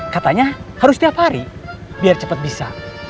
katanya harus tiap hari biar cepet bisa